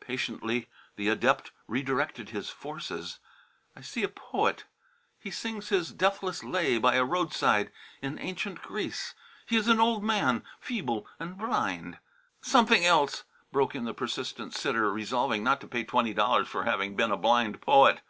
Patiently the adept redirected his forces. "I see a poet. He sings his deathless lay by a roadside in ancient Greece. He is an old man, feeble, blind " "Something else," broke in the persistent sitter, resolving not to pay twenty dollars for having been a blind poet.